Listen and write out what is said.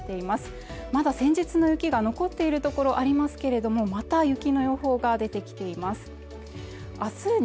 まだ先日の雪が残っている所ありますけれどもまた雪の予報が出てきています